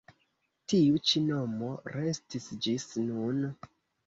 Tiu ĉi nomo restis ĝis nun.